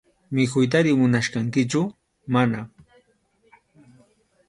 ¿Mikhuytari munachkankichu?- Mana.